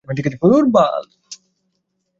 ঠিক আছে, আমাকে ম্যানেজ করতে দে।